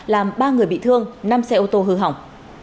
làm ba người bị thương năm xe ô tô hư hỏng